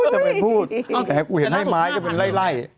แต่ไม่พูดแต่กูเห็นให้ไม้ก็เป็นไล่